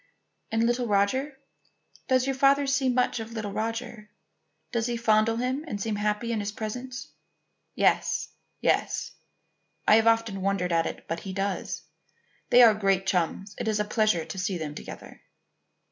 "And little Roger? Does your father see much of little Roger? Does he fondle him and seem happy in his presence?" "Yes; yes. I have often wondered at it, but he does. They are great chums. It is a pleasure to see them together."